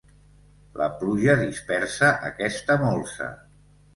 La pluja dispersa aquesta molsa.